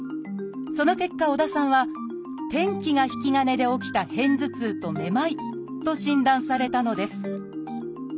その結果織田さんは天気が引き金で起きた片頭痛とめまいと診断されたのです。